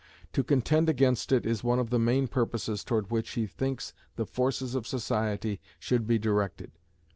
To contend against it is one of the main purposes towards which he thinks the forces of society should be directed.